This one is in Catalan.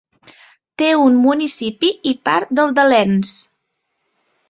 Té un municipi i part del de Lens.